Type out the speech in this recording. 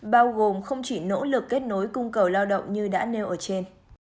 bao gồm không chỉ nỗ lực kết nối cung cầu lao động như đã nêu ở trên